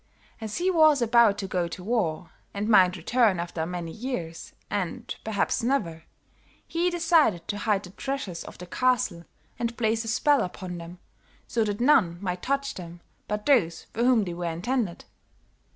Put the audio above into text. As he was about to go to war, and might return after many years and perhaps never, he decided to hide the treasures of the castle and place a spell upon them so that none might touch them but those for whom they were intended.